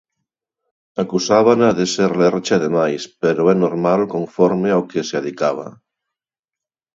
Acusábana de ser lercha de máis pero é normal conforme ó que se dedicaba